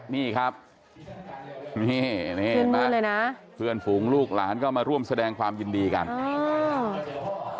นี่ครับนี่นี่เห็นไหมเพื่อนฝูงลูกหลานก็มาร่วมแสดงความยินดีกันใช่